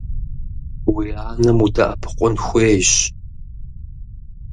Уи анэм удэӏэпыкъун хуейщ.